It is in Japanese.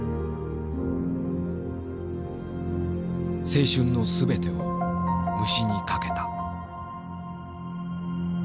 青春の全てを虫にかけた。